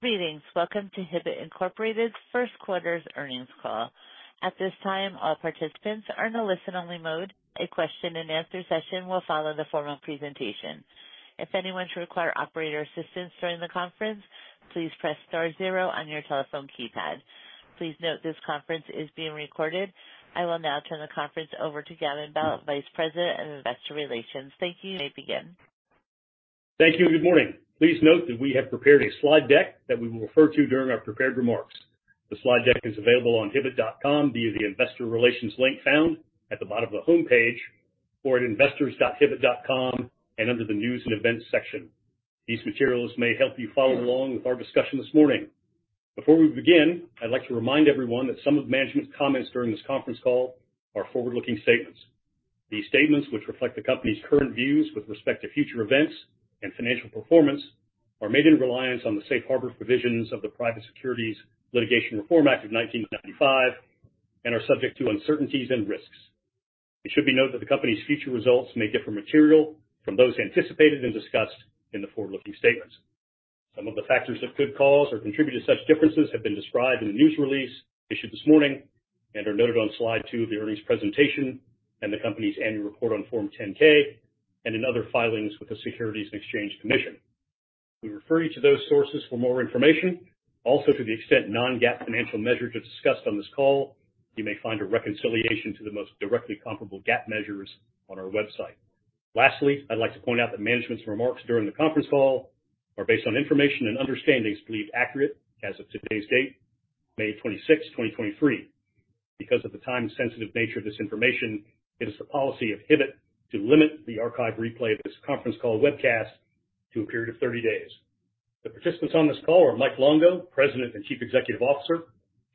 Greetings! Welcome to Hibbett, Inc.'s Q1's earnings call. At this time, all participants are in a listen-only mode. A question-and-answer session will follow the formal presentation. If anyone should require operator assistance during the conference, please press star zero on your telephone keypad. Please note, this conference is being recorded. I will now turn the conference over to Gavin Bell, Vice President of Investor Relations. Thank you. You may begin. Thank you, and good morning. Please note that we have prepared a slide deck that we will refer to during our prepared remarks. The slide deck is available on hibbett.com via the Investor Relations link found at the bottom of the homepage, or at investors.hibbett.com and under the News and Events section. These materials may help you follow along with our discussion this morning. Before we begin, I'd like to remind everyone that some of management's comments during this conference call are forward-looking statements. These statements, which reflect the company's current views with respect to future events and financial performance, are made in reliance on the safe harbor provisions of the Private Securities Litigation Reform Act of 1995, and are subject to uncertainties and risks. It should be noted that the company's future results may differ material from those anticipated and discussed in the forward-looking statements. Some of the factors that could cause or contribute to such differences have been described in the news release issued this morning and are noted on slide two of the earnings presentation and the company's annual report on Form 10-K and in other filings with the Securities and Exchange Commission. We refer you to those sources for more information. Also, to the extent non-GAAP financial measures are discussed on this call, you may find a reconciliation to the most directly comparable GAAP measures on our website. Lastly, I'd like to point out that management's remarks during the conference call are based on information and understandings believed accurate as of today's date, May 26th, 2023. Because of the time sensitive nature of this information, it is the policy of Hibbett to limit the archive replay of this conference call webcast to a period of 30 days. The participants on this call are Mike Longo, President and Chief Executive Officer,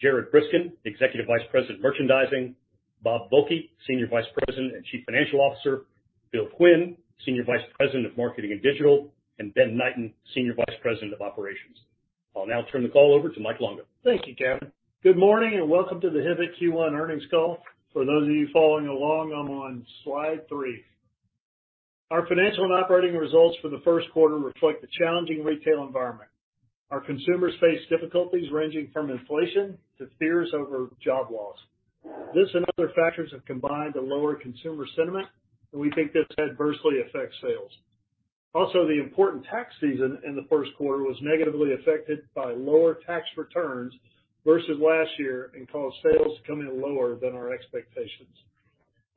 Jared Briskin, Executive Vice President, Merchandising, Bob Volk, Senior Vice President and Chief Financial Officer, Bill Quinn, Senior Vice President of Marketing and Digital, and Ben Knighten, Senior Vice President of Operations. I'll now turn the call over to Mike Longo. Thank you, Gavin. Good morning, welcome to the Hibbett Q1 earnings call. For those of you following along, I'm on slide three. Our financial and operating results for the Q1 reflect the challenging retail environment. Our consumers face difficulties ranging from inflation to fears over job loss. This and other factors have combined to lower consumer sentiment, and we think this adversely affects sales. The important tax season in the Q1 was negatively affected by lower tax returns versus last year and caused sales to come in lower than our expectations.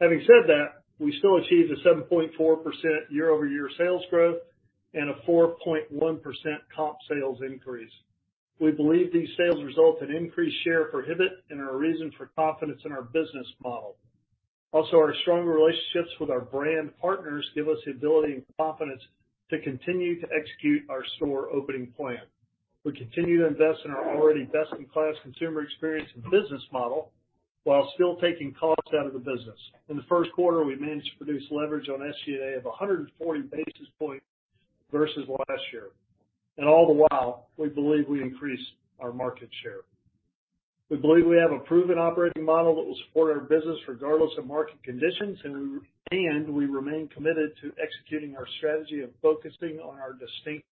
Having said that, we still achieved a 7.4% year-over-year sales growth and a 4.1% comp sales increase. We believe these sales results an increased share for Hibbett and are a reason for confidence in our business model. Also, our strong relationships with our brand partners give us the ability and confidence to continue to execute our store opening plan. We continue to invest in our already best-in-class consumer experience and business model while still taking costs out of the business. In the Q1, we managed to produce leverage on SG&A of 140 basis points versus last year, and all the while, we believe we increased our market share. We believe we have a proven operating model that will support our business regardless of market conditions, and we remain committed to executing our strategy of focusing on our distinct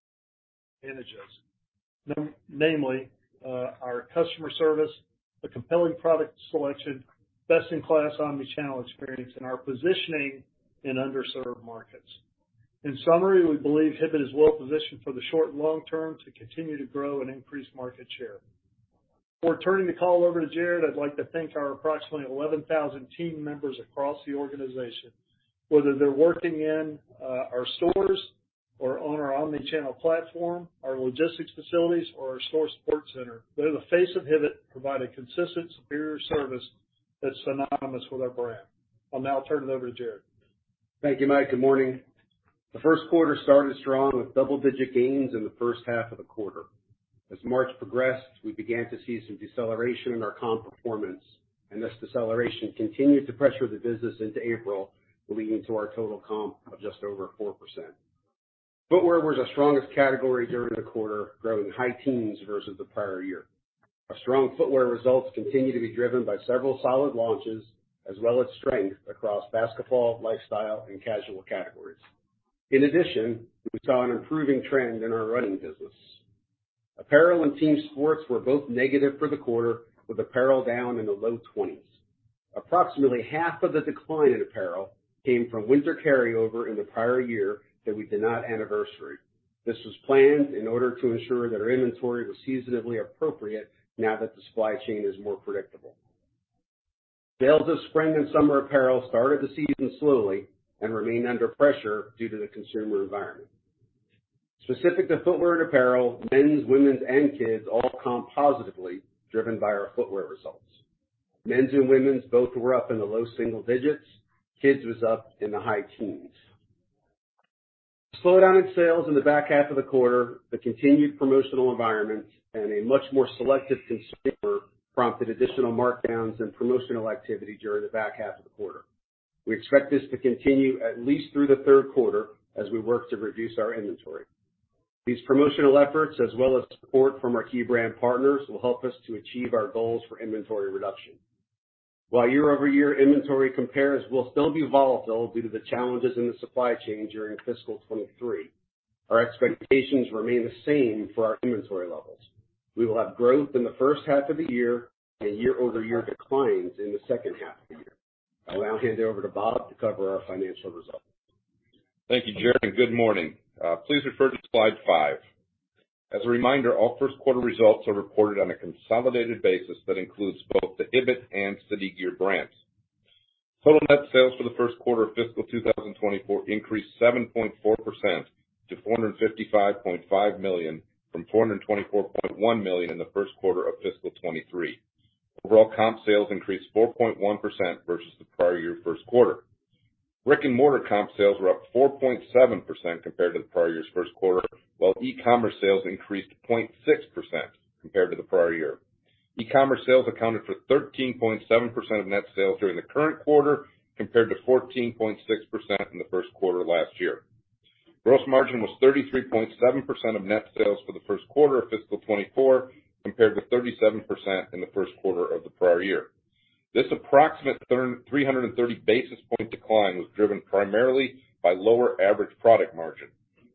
images, namely, our customer service, a compelling product selection, best-in-class omni-channel experience, and our positioning in underserved markets. In summary, we believe Hibbett is well positioned for the short and long term to continue to grow and increase market share. Before turning the call over to Jared, I'd like to thank our approximately 11,000 team members across the organization, whether they're working in our stores or on our omni-channel platform, our logistics facilities, or our store support center. They're the face of Hibbett, provide a consistent, superior service that's synonymous with our brand. I'll now turn it over to Jared. Thank you, Mike Longo. Good morning. The Q1 started strong with double-digit gains in the first half of the quarter. As March progressed, we began to see some deceleration in our comp performance, and this deceleration continued to pressure the business into April, leading to our total comp of just over 4%. Footwear was our strongest category during the quarter, growing high teens versus the prior year. Our strong footwear results continue to be driven by several solid launches, as well as strength across basketball, lifestyle, and casual categories. In addition, we saw an improving trend in our running business. Apparel and team sports were both negative for the quarter, with apparel down in the low 20s. Approximately half of the decline in apparel came from winter carryover in the prior year that we did not anniversary. This was planned in order to ensure that our inventory was seasonally appropriate now that the supply chain is more predictable. Sales of spring and summer apparel started the season slowly and remain under pressure due to the consumer environment. Specific to footwear and apparel, men's, women's, and kids' all comped positively, driven by our footwear results. Men's and women's both were up in the low single digits. Kids' was up in the high teens. Slowdown in sales in the back half of the quarter, the continued promotional environment, and a much more selective consumer, prompted additional markdowns and promotional activity during the back half of the quarter. We expect this to continue at least through the Q3 as we work to reduce our inventory. These promotional efforts, as well as support from our key brand partners, will help us to achieve our goals for inventory reduction. Year-over-year inventory compares will still be volatile due to the challenges in the supply chain during fiscal 2023, our expectations remain the same for our inventory levels. We will have growth in the first half of the year and year-over-year declines in the second half of the year. I will now hand it over to Bob to cover our financial results. Thank you, Jared, and good morning. Please refer to slide five. As a reminder, all Q1 results are reported on a consolidated basis that includes both the Hibbett and City Gear brands. Total net sales for the Q1 of fiscal 2024 increased 7.4% to $455.5 million, from $424.1 million in the Q1 of fiscal 2023. Overall, comp sales increased 4.1% versus the prior year Q1. Brick-and-mortar comp sales were up 4.7% compared to the prior year's Q1, while e-commerce sales increased 0.6% compared to the prior year. E-commerce sales accounted for 13.7% of net sales during the current quarter, compared to 14.6% in the Q1 of last year. Gross margin was 33.7% of net sales for the Q1 of fiscal 2024, compared with 37% in the Q1 of the prior year. This approximate 330 basis point decline was driven primarily by lower average product margin.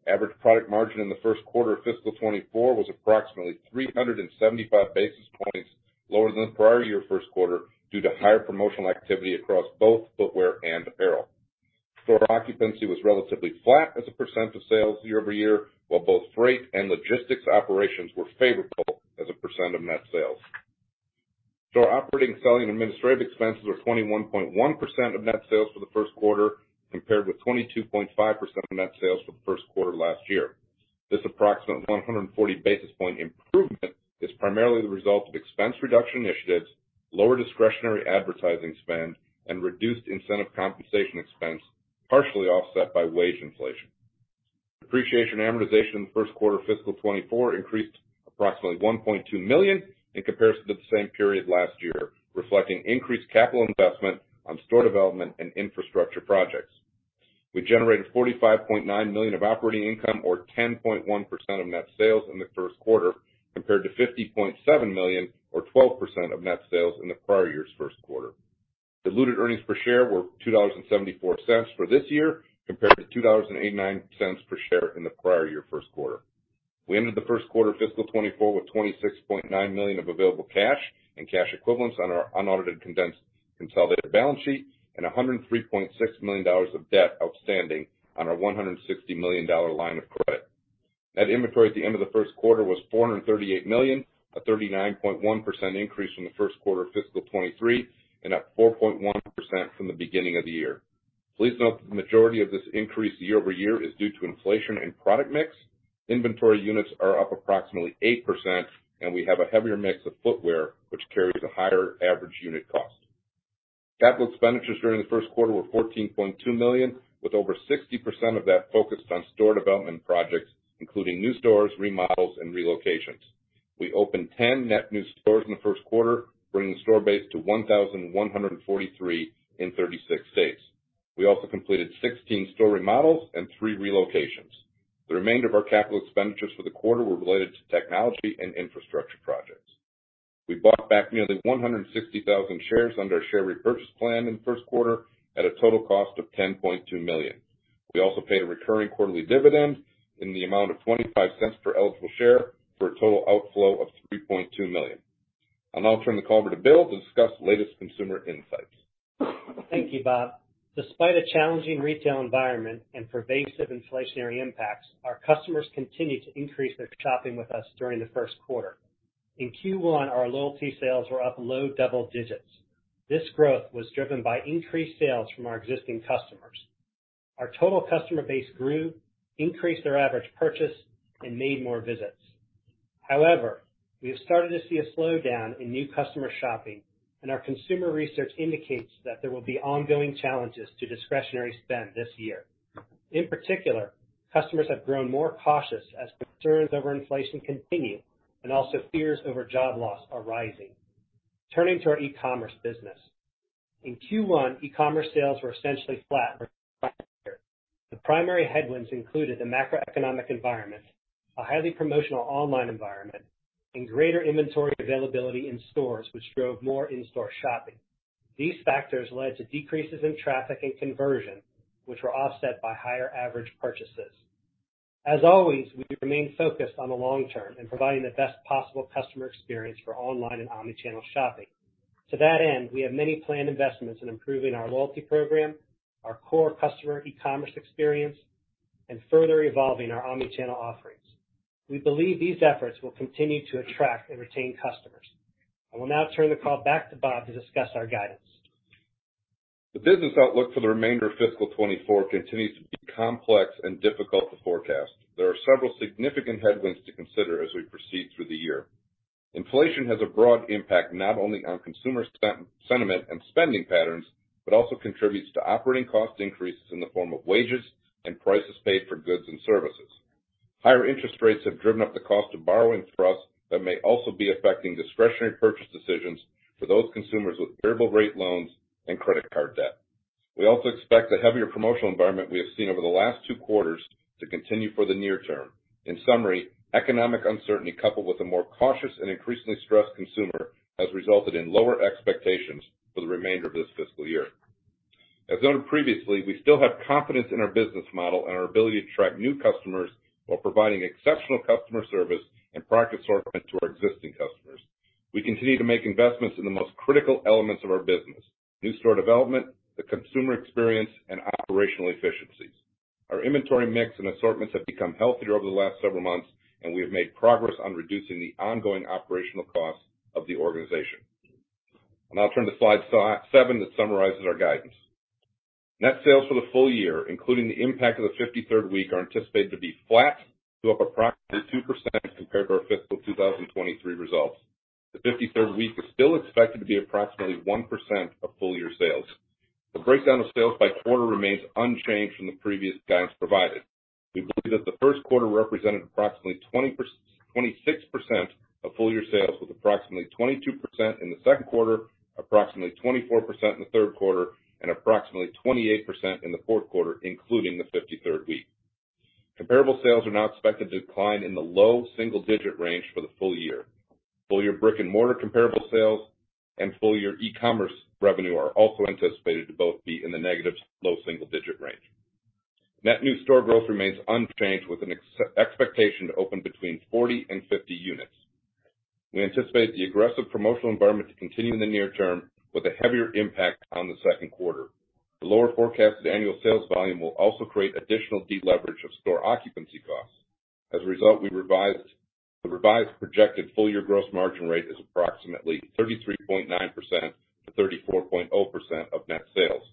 Average product margin in the Q1 of fiscal 2024 was approximately 375 basis points lower than the prior year Q1, due to higher promotional activity across both footwear and apparel. Store occupancy was relatively flat as a % of sales year-over-year, while both freight and logistics operations were favorable as a % of net sales. Store operating, selling, and administrative expenses were 21.1% of net sales for the Q1, compared with 22.5% of net sales for the Q1 last year. This approximate 140 basis point improvement is primarily the result of expense reduction initiatives, lower discretionary advertising spend, and reduced incentive compensation expense, partially offset by wage inflation. Depreciation amortization in the Q1 of fiscal 2024 increased approximately $1.2 million in comparison to the same period last year, reflecting increased capital investment on store development and infrastructure projects. We generated $45.9 million of operating income, or 10.1% of net sales in the Q1, compared to $50.7 million, or 12% of net sales in the prior year's Q1. Diluted earnings per share were $2.74 for this year, compared to $2.89 per share in the prior year Q1. We ended the Q1 of fiscal 2024 with $26.9 million of available cash and cash equivalents on our unaudited, condensed, consolidated balance sheet, and $103.6 million of debt outstanding on our $160 million line of credit. Net inventory at the end of the Q1 was $438 million, a 39.1% increase from the Q1 of fiscal 2023, and up 4.1% from the beginning of the year. Please note that the majority of this increase year-over-year is due to inflation and product mix. Inventory units are up approximately 8%, and we have a heavier mix of footwear, which carries a higher average unit cost. Capital expenditures during the Q1 were $14.2 million, with over 60% of that focused on store development projects, including new stores, remodels, and relocations. We opened 10 net new stores in the Q1, bringing the store base to 1,143 in 36 states. We also completed 16 store remodels and three relocations. The remainder of our capital expenditures for the quarter were related to technology and infrastructure projects. We bought back nearly 160,000 shares under our share repurchase plan in the Q1 at a total cost of $10.2 million. We also paid a recurring quarterly dividend in the amount of $0.25 per eligible share, for a total outflow of $3.2 million. I'll now turn the call over to Bill Quinn to discuss the latest consumer insights. Thank you, Bob. Despite a challenging retail environment and pervasive inflationary impacts, our customers continued to increase their shopping with us during the Q1. In Q1, our loyalty sales were up low double digits. This growth was driven by increased sales from our existing customers. Our total customer base grew, increased their average purchase, and made more visits. However, we have started to see a slowdown in new customer shopping, and our consumer research indicates that there will be ongoing challenges to discretionary spend this year. In particular, customers have grown more cautious as concerns over inflation continue and also fears over job loss are rising. Turning to our e-commerce business. In Q1, e-commerce sales were essentially flat versus last year. The primary headwinds included the macroeconomic environment, a highly promotional online environment, and greater inventory availability in stores, which drove more in-store shopping. These factors led to decreases in traffic and conversion, which were offset by higher average purchases. As always, we remain focused on the long term and providing the best possible customer experience for online and Omni-channel shopping. To that end, we have many planned investments in improving our loyalty program, our core customer e-commerce experience, and further evolving our omni-channel offerings. We believe these efforts will continue to attract and retain customers. I will now turn the call back to Bob to discuss our guidance. The business outlook for the remainder of fiscal 2024 continues to be complex and difficult to forecast. There are several significant headwinds to consider as we proceed through the year. Inflation has a broad impact, not only on consumer sentiment and spending patterns, but also contributes to operating cost increases in the form of wages and prices paid for goods and services. Higher interest rates have driven up the cost of borrowing for us, but may also be affecting discretionary purchase decisions for those consumers with variable rate loans and credit card debt. We also expect the heavier promotional environment we have seen over the last two quarters to continue for the near term. In summary, economic uncertainty, coupled with a more cautious and increasingly stressed consumer, has resulted in lower expectations for the remainder of this fiscal year. As noted previously, we still have confidence in our business model and our ability to attract new customers while providing exceptional customer service and product assortment to our existing customers. We continue to make investments in the most critical elements of our business: new store development, the consumer experience, and operational efficiencies. Our inventory mix and assortments have become healthier over the last several months, we have made progress on reducing the ongoing operational costs of the organization. I'll turn to slide seven, that summarizes our guidance. Net sales for the full year, including the impact of the 53rd week, are anticipated to be flat to up approximately 2% compared to our fiscal 2023 results. The 53rd week is still expected to be approximately 1% of full-year sales. The breakdown of sales by quarter remains unchanged from the previous guidance provided. We believe that the Q1 represented approximately 26% of full year sales, with approximately 22% in the Q2, approximately 24% in the Q3, and approximately 28% in the Q4, including the 53rd week. Comparable sales are now expected to decline in the low single-digit range for the full year. Full year brick-and-mortar comparable sales and full year e-commerce revenue are also anticipated to both be in the negative low single-digit range. Net new store growth remains unchanged, with an expectation to open between 40 and 50 units. We anticipate the aggressive promotional environment to continue in the near term with a heavier impact on the Q2. The lower forecasted annual sales volume will also create additional deleverage of store occupancy costs. As a result, the revised projected full year gross margin rate is approximately 33.9%-34.0% of net sales.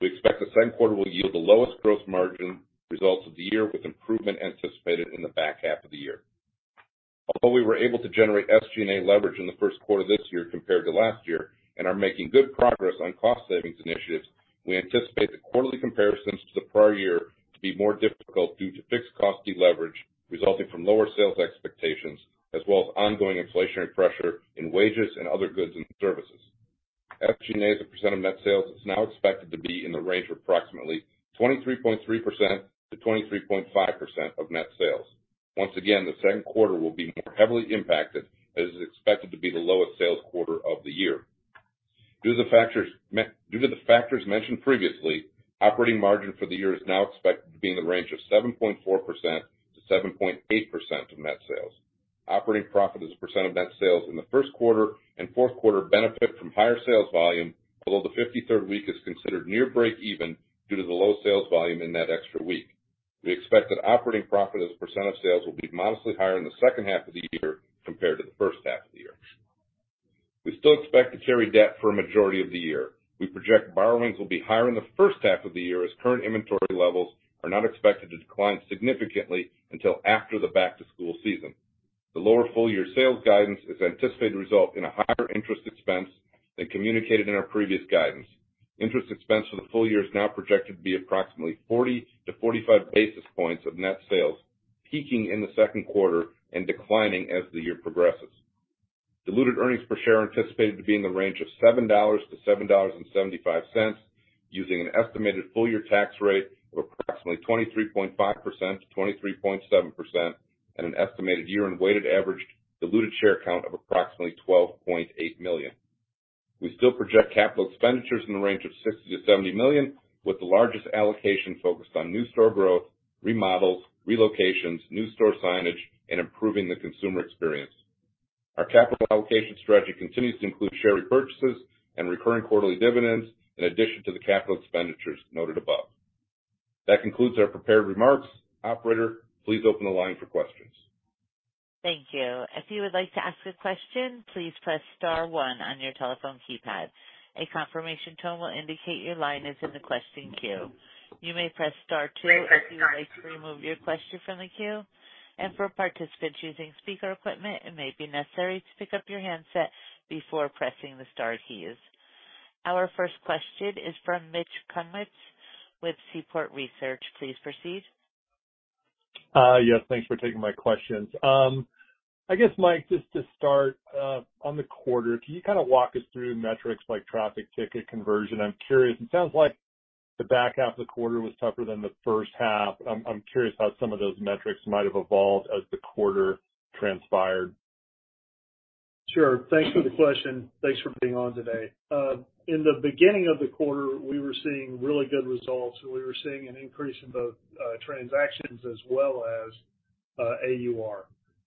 We expect the Q2 will yield the lowest gross margin results of the year, with improvement anticipated in the back half of the year. Although we were able to generate SG&A leverage in the Q1 of this year compared to last year, and are making good progress on cost savings initiatives, we anticipate the quarterly comparisons to the prior year to be more difficult due to fixed cost deleverage, resulting from lower sales expectations, as well as ongoing inflationary pressure in wages and other goods and services. SG&A, as a % of net sales, is now expected to be in the range of approximately 23.3%-23.5% of net sales. The Q2 will be more heavily impacted, as it's expected to be the lowest sales quarter of the year. Due to the factors mentioned previously, operating margin for the year is now expected to be in the range of 7.4%-7.8% of net sales. Operating profit as a % of net sales in the Q1 and Q4 benefit from higher sales volume, although the 53rd week is considered near breakeven due to the low sales volume in that extra week. We expect that operating profit as a % of sales will be modestly higher in the second half of the year compared to the first half of the year. We still expect to carry debt for a majority of the year. We project borrowings will be higher in the first half of the year, as current inventory levels are not expected to decline significantly until after the back-to-school season. The lower full year sales guidance is anticipated to result in a higher interest expense than communicated in our previous guidance. Interest expense for the full year is now projected to be approximately 40-45 basis points of net sales, peaking in the Q2 and declining as the year progresses. Diluted earnings per share are anticipated to be in the range of $7.00-$7.75, using an estimated full year tax rate of approximately 23.5%-23.7%, and an estimated year-end weighted average diluted share count of approximately 12.8 million. We still project capital expenditures in the range of $60 million-$70 million, with the largest allocation focused on new store growth, remodels, relocations, new store signage, and improving the consumer experience. Our capital allocation strategy continues to include share repurchases and recurring quarterly dividends, in addition to the capital expenditures noted above. That concludes our prepared remarks. Operator, please open the line for questions. Thank you. If you would like to ask a question, please press star one on your telephone keypad. A confirmation tone will indicate your line is in the question queue. You may press star two if you would like to remove your question from the queue. For participants using speaker equipment, it may be necessary to pick up your handset before pressing the star keys. Our first question is from Mitch Kummetz with Seaport Research. Please proceed. Yes, thanks for taking my questions. I guess, Mike, just to start on the quarter, can you kind of walk us through metrics like traffic ticket conversion? I'm curious. It sounds like the back half of the quarter was tougher than the first half. I'm curious how some of those metrics might have evolved as the quarter transpired. Sure. Thanks for the question. Thanks for being on today. In the beginning of the quarter, we were seeing really good results. We were seeing an increase in both transactions as well as AUR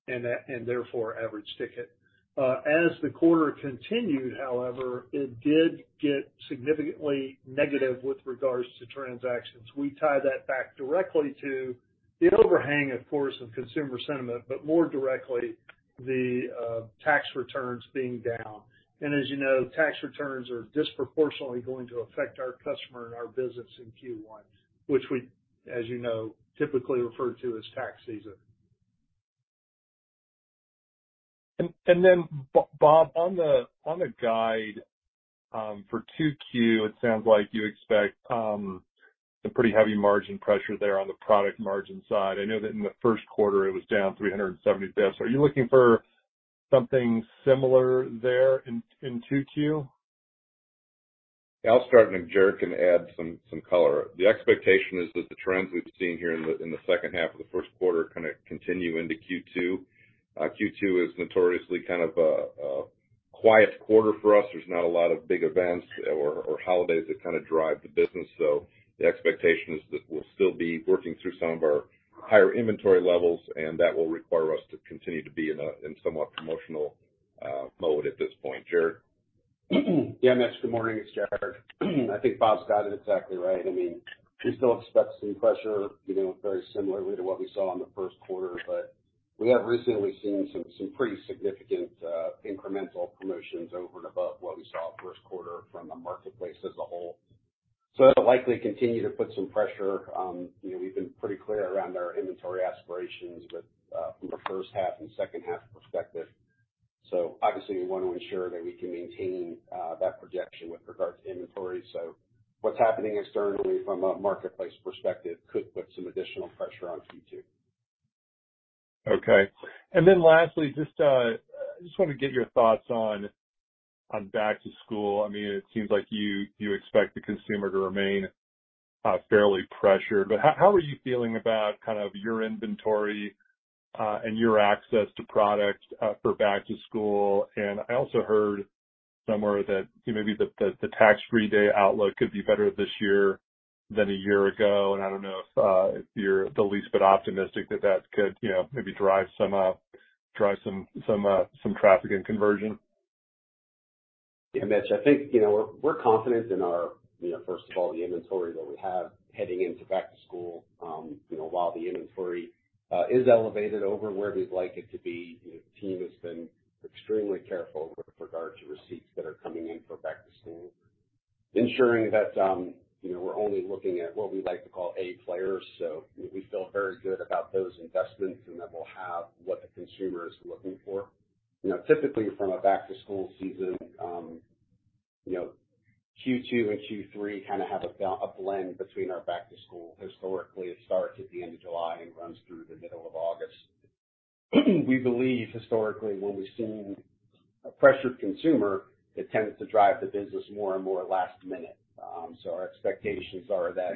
and therefore, average ticket. As the quarter continued, however, it did get significantly negative with regards to transactions. We tie that back directly to the overhang, of course, of consumer sentiment, but more directly, the tax returns being down. As you know, tax returns are disproportionately going to affect our customer and our business in Q1, which we, as you know, typically refer to as tax season. Then Bob, on the guide, for 2Q, it sounds like you expect some pretty heavy margin pressure there on the product margin side. I know that in the Q1, it was down 370 basis. Are you looking for something similar there in Q2? I'll start, and then Jared can add some color. The expectation is that the trends we've seen here in the second half of the Q1 kind of continue into Q2. Q2 is notoriously kind of a quiet quarter for us. There's not a lot of big events or holidays that kind of drive the business. The expectation is that we'll still be working through some of our higher inventory levels, and that will require us to continue to be in somewhat promotional mode at this point. Jared? Yeah, Mitch, good morning. It's Jared. I think Bob's got it exactly right. I mean, we still expect some pressure, you know, very similarly to what we saw in the Q1. We have recently seen some pretty significant incremental promotions over and above what we saw Q1 from the marketplace as a whole. That'll likely continue to put some pressure. You know, we've been pretty clear around our inventory aspirations with from a first half and second half perspective. Obviously, we want to ensure that we can maintain that projection with regard to inventory. What's happening externally from a marketplace perspective could put some additional pressure on Q2. Lastly, just, I just wanna get your thoughts on back to school. I mean, it seems like you expect the consumer to remain, fairly pressured, but how are you feeling about kind of your inventory, and your access to product, for back to school? I also heard somewhere that maybe the tax-free day outlook could be better this year than a year ago. I don't know if, you're the least bit optimistic that that could, you know, maybe drive some traffic and conversion? Yeah, Mitch, I think, you know, we're confident in our, you know, first of all, the inventory that we have heading into back to school. You know, while the inventory is elevated over where we'd like it to be, you know, the team has been extremely careful with regard to receipts that are coming in for back to school, ensuring that, you know, we're only looking at what we like to call A players. We feel very good about those investments and that we'll have what the consumer is looking for. You know, typically from a back to school season, you know, Q2 and Q3 kind of have a blend between our back to school. Historically, it starts at the end of July and runs through the middle of August. We believe historically, when we've seen a pressured consumer, it tends to drive the business more last minute. Our expectations are that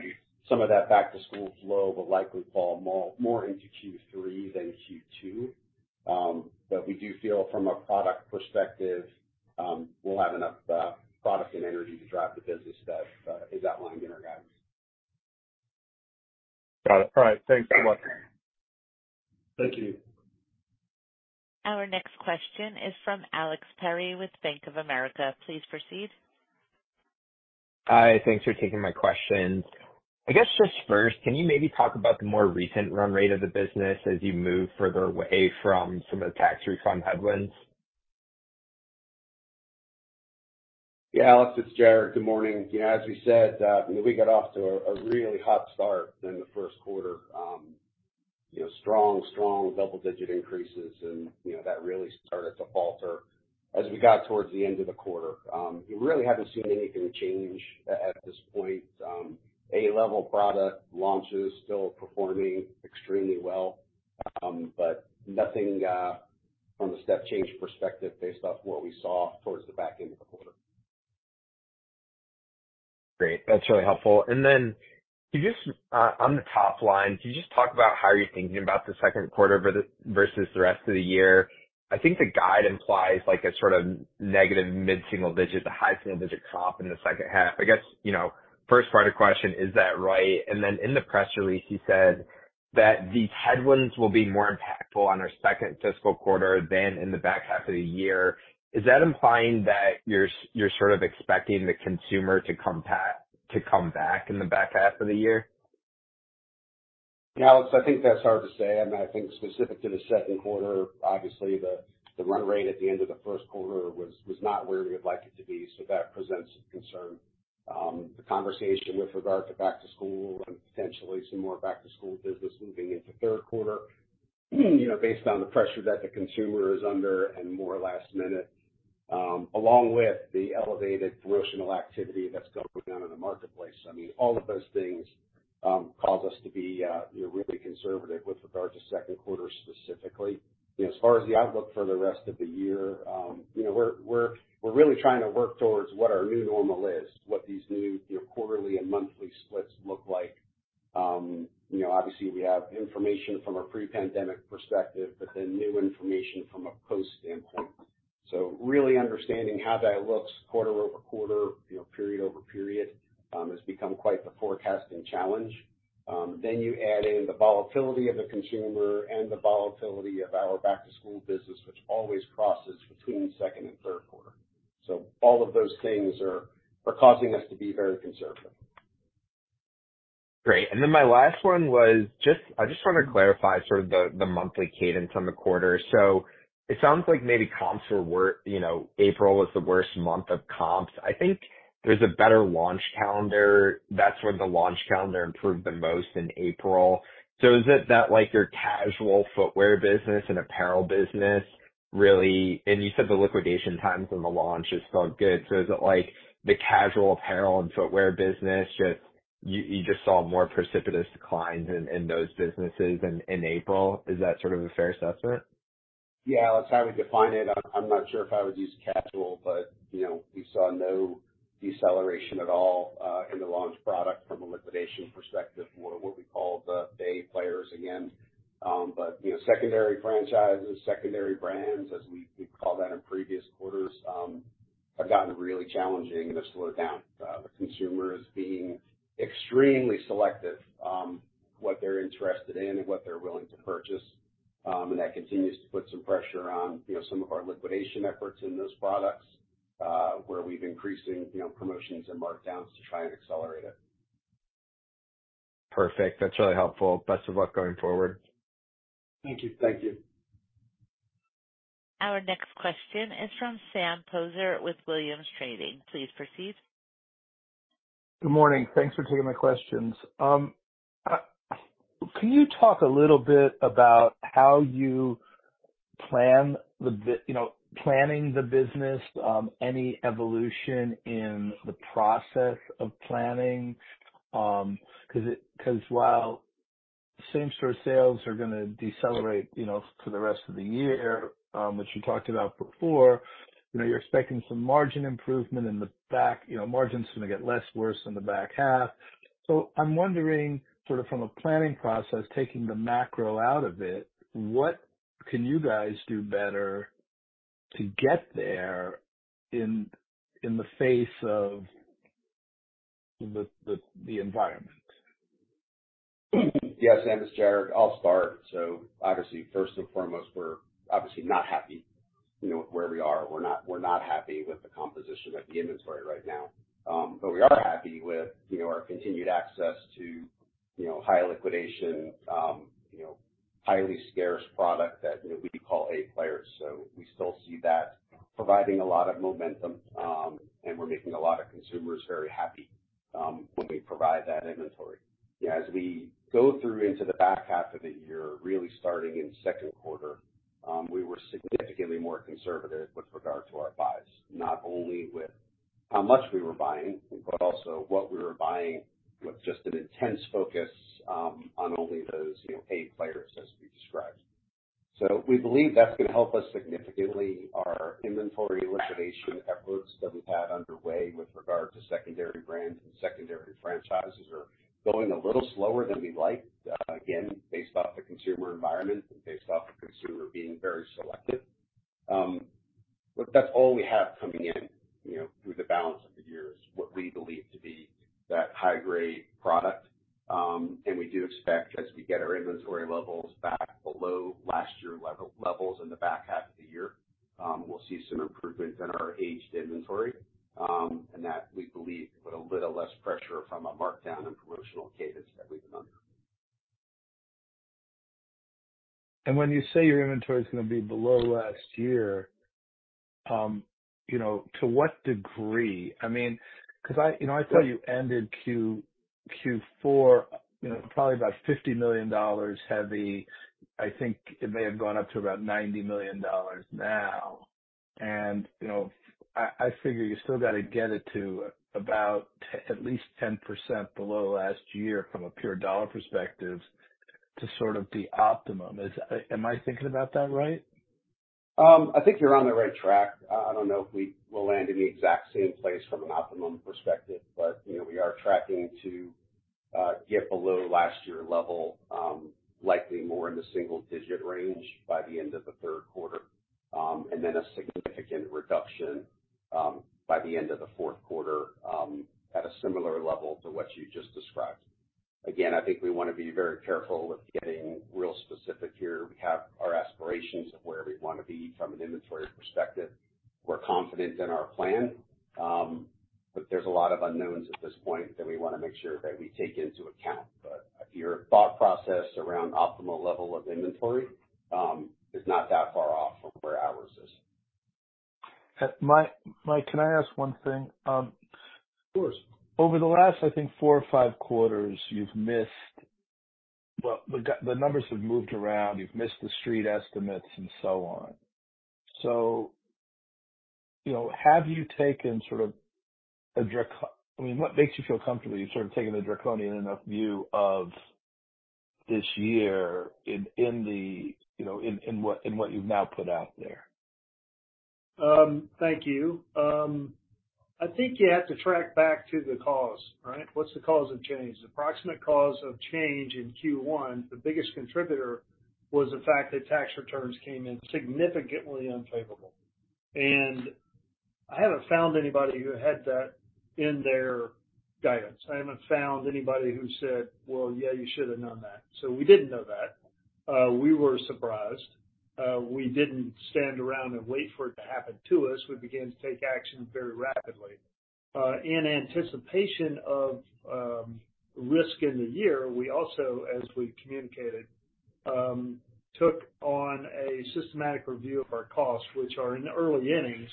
some of that back to school flow will likely fall more into Q3 than Q2. We do feel from a product perspective, we'll have enough product and energy to drive the business that is outlined in our guidance. Got it. All right, thanks so much. Thank you. Our next question is from Alex Perry with Bank of America. Please proceed. Hi, thanks for taking my questions. I guess just first, can you maybe talk about the more recent run rate of the business as you move further away from some of the tax refund headwinds? Alex, it's Jared. Good morning. As we said, we got off to a really hot start in the Q1. you know, strong double-digit increases and, you know, that really started to falter as we got towards the end of the quarter. We really haven't seen anything change at this point. A-level product launches still performing extremely well, but nothing from a step change perspective based off what we saw towards the back end of the quarter. Great, that's really helpful. Then could you just on the top line, can you just talk about how you're thinking about the Q2 versus the rest of the year? I think the guide implies like a sort of negative mid-single digit to high-single digit drop in the second half. I guess, you know, first part of question, is that right? Then in the press release, you said that these headwinds will be more impactful on our second fiscal quarter than in the back half of the year. Is that implying that you're sort of expecting the consumer to come back in the back half of the year? Alex, I think that's hard to say. I mean, I think specific to the Q2, obviously the run rate at the end of the Q1 was not where we would like it to be, that presents a concern. The conversation with regard to back to school and potentially some more back to school business moving into Q3, you know, based on the pressure that the consumer is under and more last minute, along with the elevated promotional activity that's going on in the marketplace. I mean, all of those things cause us to be, you know, really conservative with regards to Q2 specifically. As far as the outlook for the rest of the year, you know, we're really trying to work towards what our new normal is, what these new, you know, quarterly and monthly splits look like. Obviously, we have information from a pre-pandemic perspective, but then new information from a post standpoint. Really understanding how that looks quarter-over-quarter, you know, period-over-period, has become quite the forecasting challenge. You add in the volatility of the consumer and the volatility of our back-to-school business, which always crosses between second and Q3. All of those things are causing us to be very conservative. Great. My last one was just I just want to clarify sort of the monthly cadence on the quarter. It sounds like maybe comps were you know, April was the worst month of comps. I think there's a better launch calendar. That's when the launch calendar improved the most, in April. Is it that, like, your casual footwear business and apparel business really And you said the liquidation times and the launches felt good, so is it, like, the casual apparel and footwear business?... you just saw more precipitous declines in those businesses in April. Is that sort of a fair assessment? That's how we define it. I'm not sure if I would use casual, but, you know, we saw no deceleration at all in the launch product from a liquidation perspective, what we call the A players again. You know, secondary franchises, secondary brands, as we've called that in previous quarters, have gotten really challenging and have slowed down. The consumer is being extremely selective on what they're interested in and what they're willing to purchase. That continues to put some pressure on, you know, some of our liquidation efforts in those products, where we've increasing, you know, promotions and markdowns to try and accelerate it. Perfect. That's really helpful. Best of luck going forward. Thank you. Thank you. Our next question is from Sam Poser with Williams Trading. Please proceed. Good morning. Thanks for taking my questions. Can you talk a little bit about how you You know, planning the business, any evolution in the process of planning? Because while same-store sales are gonna decelerate, you know, for the rest of the year, which you talked about before, you know, you're expecting some margin improvement You know, margins are gonna get less worse in the back half. I'm wondering, sort of from a planning process, taking the macro out of it, what can you guys do better to get there in the face of the environment? Sam, it's Jared. I'll start. First and foremost, we're obviously not happy, you know, where we are. We're not happy with the composition of the inventory right now. We are happy with, you know, our continued access to, you know, high liquidation, you know, highly scarce product that, you know, we call A players. We still see that providing a lot of momentum, and we're making a lot of consumers very happy when we provide that inventory. As we go through into the back half of the year, really starting in the Q2, we were significantly more conservative with regard to our buys, not only with how much we were buying, but also what we were buying, with just an intense focus on only those, you know, A players as we described. We believe that's gonna help us significantly. Our inventory liquidation efforts that we've had underway with regard to secondary brands and secondary franchises are going a little slower than we'd like, again, based off the consumer environment and based off the consumer being very selective. That's all we have coming in, you know, through the balance of the year, is what we believe to be that high-grade product. We do expect, as we get our inventory levels back below last year levels in the back half of the year, we'll see some improvement in our aged inventory, and that we believe, put a little less pressure from a markdown and promotional cadence that we've been under. When you say your inventory is gonna be below last year, you know, to what degree? I mean, 'cause you know, I saw you ended Q4, you know, probably about $50 million heavy. I think it may have gone up to about $90 million now. You know, I figure you still got to get it to about at least 10% below last year from a pure dollar perspective to sort of be optimum. Am I thinking about that right? I think you're on the right track. I don't know if we will land in the exact same place from an optimum perspective, but, you know, we are tracking to get below last year level, likely more in the single-digit range by the end of the Q3. A significant reduction by the end of the Q4 at a similar level to what you just described. Again, I think we want to be very careful with getting real specific here. We have our aspirations of where we want to be from an inventory perspective. We're confident in our plan, but there's a lot of unknowns at this point that we want to make sure that we take into account. Your thought process around optimal level of inventory is not that far off from where ours is. Mike, can I ask one thing? Of course. Over the last, I think, Q4 or Q5, you've missed. Well, the numbers have moved around. You've missed the street estimates and so on. you know, have you taken sort of a draconian. I mean, what makes you feel comfortable, you've sort of taken a draconian enough view of this year in the, you know, in what you've now put out there? Thank you. I think you have to track back to the cause, right? What's the cause of change? The approximate cause of change in Q1, the biggest contributor, was the fact that tax returns came in significantly unfavorable. I haven't found anybody who had that in their guidance. I haven't found anybody who said, "Well, yeah, you should have known that." We didn't know that. We were surprised. We didn't stand around and wait for it to happen to us. We began to take action very rapidly. In anticipation of risk in the year, we also, as we've communicated, took on a systematic review of our costs, which are in the early innings,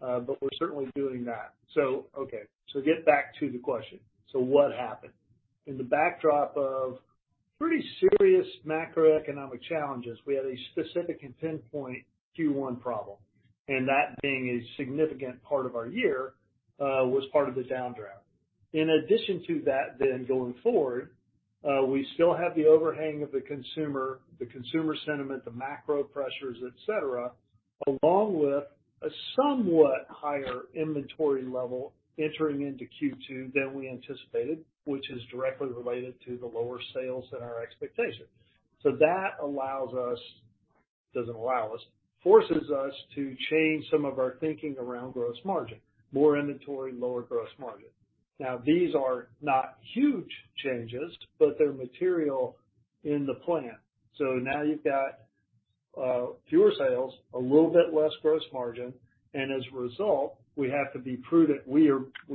but we're certainly doing that. Okay, get back to the question. What happened? In the backdrop of pretty serious macroeconomic challenges. We had a specific and pinpoint Q1 problem, and that being a significant part of our year, was part of the downdraft. In addition to that, going forward, we still have the overhang of the consumer, the consumer sentiment, the macro pressures, et cetera, along with a somewhat higher inventory level entering into Q2 than we anticipated, which is directly related to the lower sales than our expectation. That allows us, doesn't allow us, forces us to change some of our thinking around gross margin. More inventory, lower gross margin. These are not huge changes, but they're material in the plan. Now you've got, fewer sales, a little bit less gross margin, and as a result, we have to be prudent. We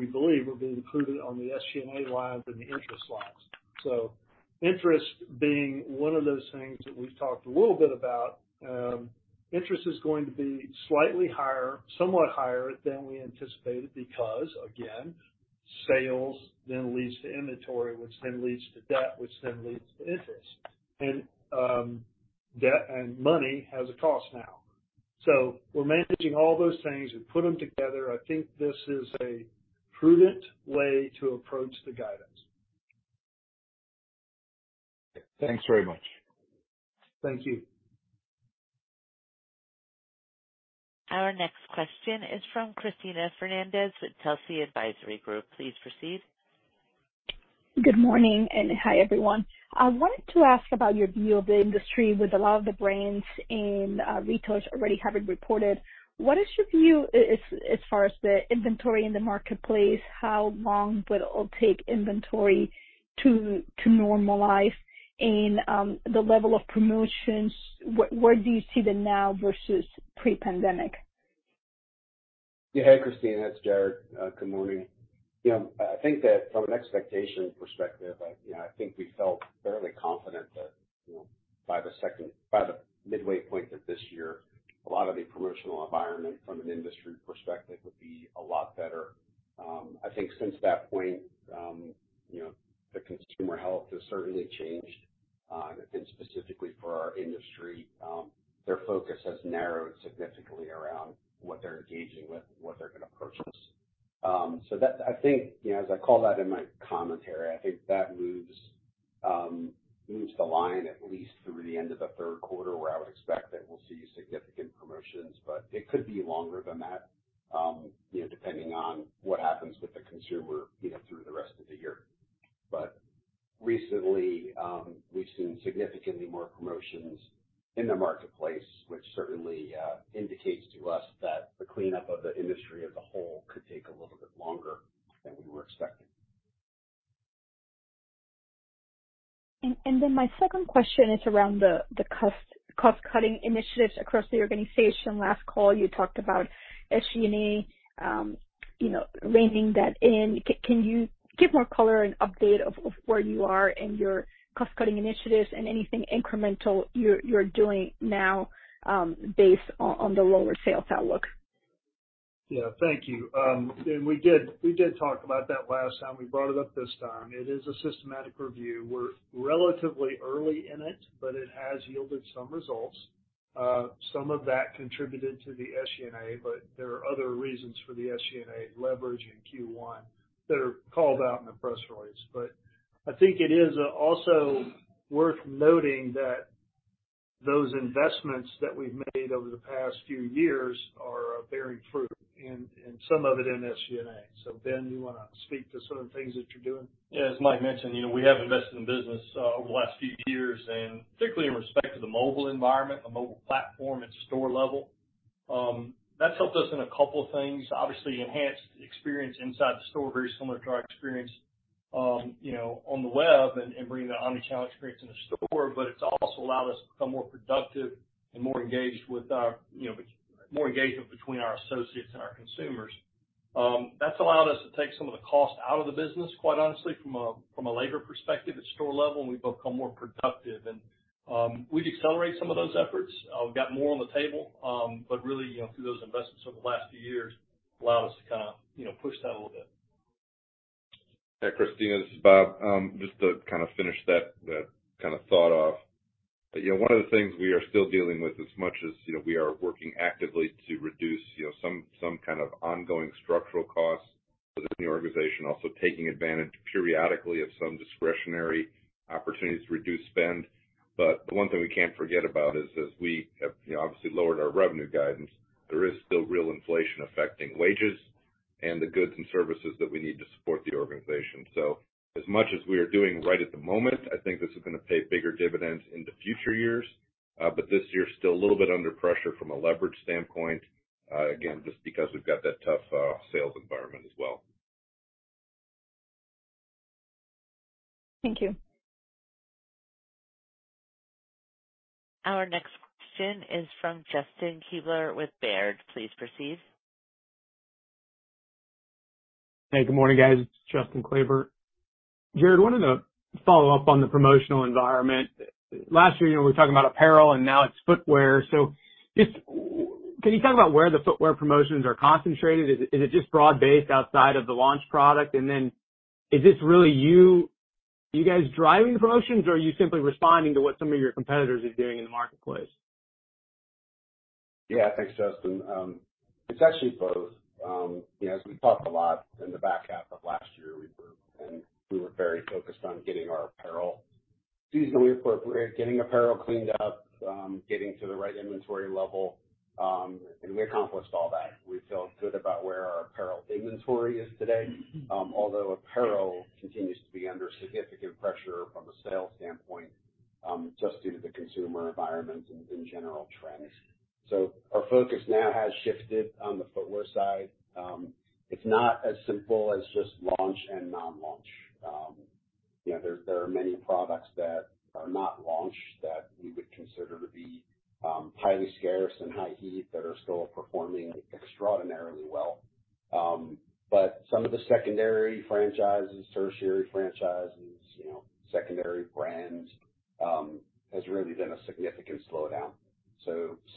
believe we're being prudent on the SG&A lines and the interest lines. Interest being one of those things that we've talked a little bit about, interest is going to be slightly higher, somewhat higher than we anticipated, because, again, sales then leads to inventory, which then leads to debt, which then leads to interest. Debt and money has a cost now. We're managing all those things and put them together. I think this is a prudent way to approach the guidance. Thanks very much. Thank you. Our next question is from Cristina Fernandez with Telsey Advisory Group. Please proceed. Good morning, and hi, everyone. I wanted to ask about your view of the industry with a lot of the brands and retailers already having reported. What is your view as far as the inventory in the marketplace, how long will it take inventory to normalize and the level of promotions, where do you see them now versus pre-pandemic? Yeah, hi, Cristina, it's Jared. Good morning. You know, I think that from an expectation perspective, I think we felt fairly confident that, you know, by the midway point of this year, a lot of the promotional environment from an industry perspective would be a lot better. I think since that point, you know, the consumer health has certainly changed, specifically for our industry, their focus has narrowed significantly around what they're engaging with and what they're going to purchase. That I think, you know, as I call that in my commentary, I think that moves the line at least through the end of the 3rd quarter, where I would expect that we'll see significant promotions, but it could be longer than that, you know, depending on what happens with the consumer, you know, through the rest of the year. Recently, we've seen significantly more promotions in the marketplace, which certainly indicates to us that the cleanup of the industry as a whole could take a little bit longer than we were expecting. My second question is around the cost-cutting initiatives across the organization. Last call, you talked about SG&A, you know, reining that in. Can you give more color and update of where you are in your cost-cutting initiatives and anything incremental you're doing now, based on the lower sales outlook? Yeah, thank you. We did talk about that last time. We brought it up this time. It is a systematic review. We're relatively early in it, but it has yielded some results. some of that contributed to the SG&A, but there are other reasons for the SG&A leverage in Q1 that are called out in the press release. I think it is also worth noting that those investments that we've made over the past few years are bearing fruit and some of it in SG&A. Ben, you want to speak to some of the things that you're doing? Yeah, as Mike mentioned, you know, we have invested in the business over the last few years, and particularly in respect to the mobile environment, the mobile platform at the store level. That's helped us in a couple of things. Obviously, enhanced the experience inside the store, very similar to our experience, you know, on the web and bringing that omnichannel experience in the store. It's also allowed us to become more productive and more engaged with our, you know, more engagement between our associates and our consumers. That's allowed us to take some of the cost out of the business, quite honestly, from a labor perspective at store level, and we've become more productive. We've accelerated some of those efforts. We've got more on the table, but really, you know, through those investments over the last few years, allowed us to kind of, you know, push that a little bit. Yeah, Cristina, this is Bob. Just to kind of finish that kind of thought off. You know, one of the things we are still dealing with as much as, you know, we are working actively to reduce, you know, some kind of ongoing structural costs within the organization, also taking advantage periodically of some discretionary opportunities to reduce spend. The one thing we can't forget about is, as we have, you know, obviously lowered our revenue guidance, there is still real inflation affecting wages and the goods and services that we need to support the organization. As much as we are doing right at the moment, I think this is gonna pay bigger dividends in the future years, but this year is still a little bit under pressure from a leverage standpoint, again, just because we've got that tough sales environment as well. Thank you. Our next question is from Justin Klebba with Baird. Please proceed. Hey, good morning, guys. It's Justin Kleber. Jared, wanted to follow up on the promotional environment. Last year, you know, we were talking about apparel, and now it's footwear. Just, can you talk about where the footwear promotions are concentrated? Is it just broad-based outside of the launch product? Then is this really you guys driving the promotions, or are you simply responding to what some of your competitors are doing in the marketplace? Yeah, thanks, Justin. It's actually both. You know, as we talked a lot in the back half of last year, and we were very focused on getting our apparel seasonally appropriate, getting apparel cleaned up, getting to the right inventory level. And we accomplished all that. We feel good about where our apparel inventory is today. Although apparel continues to be under significant pressure from a sales standpoint, just due to the consumer environment and the general trends. Our focus now has shifted on the footwear side. It's not as simple as just launch and non-launch. You know, there are many products that are not launched that we would consider to be highly scarce and high heat that are still performing extraordinarily well. Some of the secondary franchises, tertiary franchises, you know, secondary brands has really been a significant slowdown.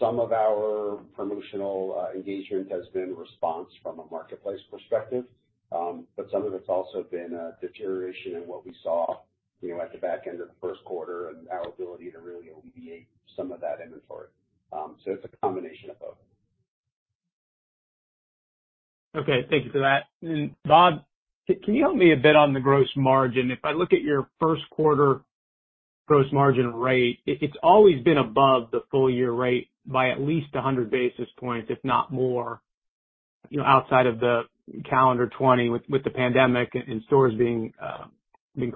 Some of our promotional engagement has been in response from a marketplace perspective. Some of it's also been a deterioration in what we saw, you know, at the back end of the Q1 and our ability to really alleviate some of that inventory. It's a combination of both. Okay, thank you for that. Bob, can you help me a bit on the gross margin? If I look at your Q1 gross margin rate, it's always been above the full year rate by at least 100 basis points, if not more, you know, outside of the calendar 2020, with the pandemic and stores being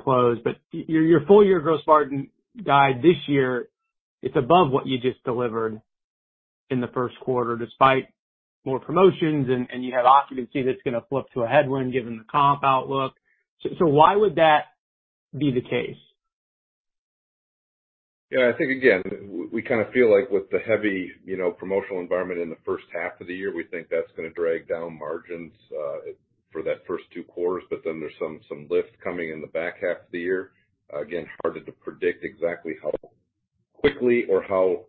closed. Your full year gross margin guide this year, it's above what you just delivered in the Q1, despite more promotions, and you have occupancy that's gonna flip to a headwind given the comp outlook. Why would that be the case? Yeah, I think, again, we kind of feel like with the heavy, you know, promotional environment in the first half of the year, we think that's gonna drag down margins for that first two quarters. There's some lift coming in the back half of the year. Again, harder to predict exactly how quickly or how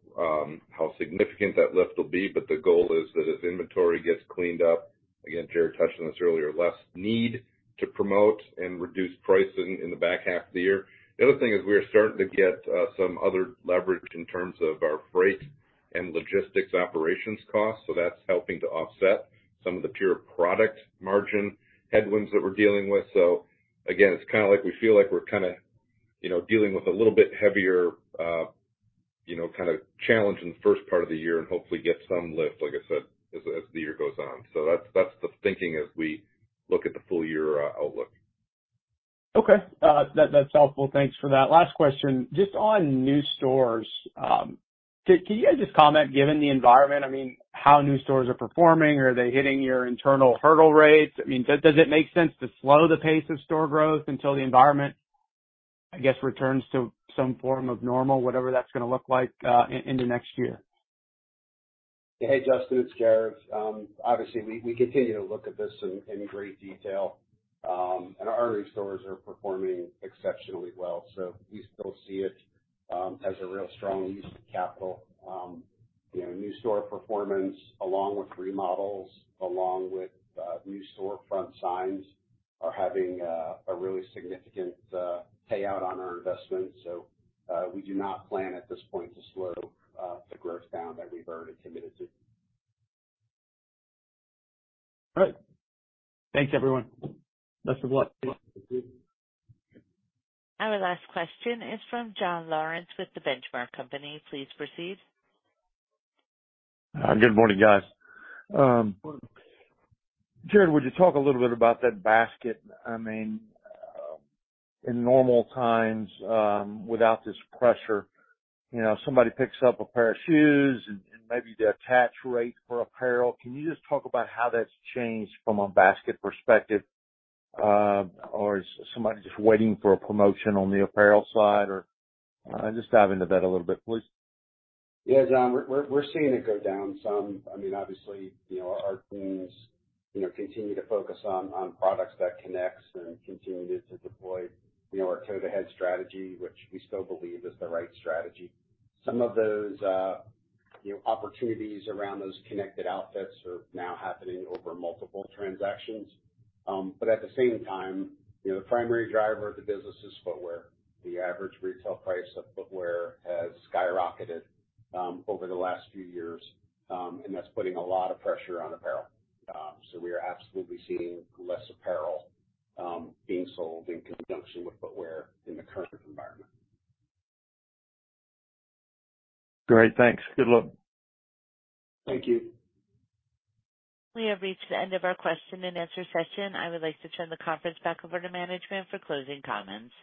significant that lift will be, but the goal is that as inventory gets cleaned up, again, Jared touched on this earlier, less need to promote and reduce pricing in the back half of the year. The other thing is we are starting to get some other leverage in terms of our freight and logistics operations costs, so that's helping to offset some of the pure product margin headwinds that we're dealing with. Again, it's kind of like we feel like we're kind of, you know, dealing with a little bit heavier, you know, kind of challenge in the first part of the year and hopefully get some lift, like I said, as the year goes on. That's the thinking as we look at the full year, outlook. Okay. That's helpful. Thanks for that. Last question, just on new stores, can you guys just comment, given the environment, I mean, how new stores are performing? Are they hitting your internal hurdle rates? I mean, does it make sense to slow the pace of store growth until the environment, I guess, returns to some form of normal, whatever that's gonna look like, in the next year? Hey, Justin, it's Jared. Obviously, we continue to look at this in great detail. Our new stores are performing exceptionally well. We still see it as a real strong use of capital. You know, new store performance, along with remodels, along with new storefront signs, are having a really significant payout on our investment. We do not plan at this point to slow the growth down that we've already committed to. All right. Thanks, everyone. Best of luck. Thank you. Our last question is from John Lawrence with The Benchmark Company. Please proceed. Good morning, guys. Jared, would you talk a little bit about that basket? I mean, in normal times, without this pressure, you know, somebody picks up a pair of shoes and maybe the attach rate for apparel. Can you just talk about how that's changed from a basket perspective, or is somebody just waiting for a promotion on the apparel side? Just dive into that a little bit, please. Yeah, John, we're seeing it go down some. I mean, obviously, you know, our teams, you know, continue to focus on products that connects and continue to deploy, you know, our head-to-toe strategy, which we still believe is the right strategy. Some of those, you know, opportunities around those connected outfits are now happening over multiple transactions. At the same time, you know, the primary driver of the business is footwear. The average retail price of footwear has skyrocketed, over the last few years. That's putting a lot of pressure on apparel. We are absolutely seeing less apparel, being sold in conjunction with footwear in the current environment. Great. Thanks. Good luck. Thank you. We have reached the end of our question-and-answer session. I would like to turn the conference back over to management for closing comments.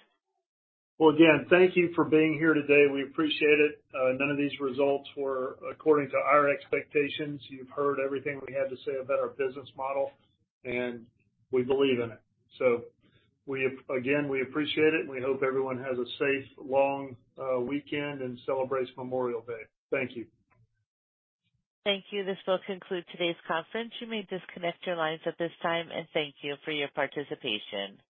Well, again, thank you for being here today. We appreciate it. None of these results were according to our expectations. You've heard everything we had to say about our business model. We believe in it. Again, we appreciate it, and we hope everyone has a safe, long weekend and celebrates Memorial Day. Thank you. Thank you. This will conclude today's conference. You may disconnect your lines at this time, and thank you for your participation.